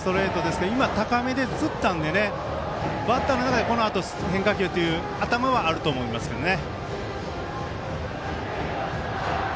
高めでつったのでバッターの中でこのあと変化球という頭はあると思いますけどね。